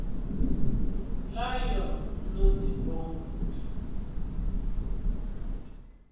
Lion no dey born goat.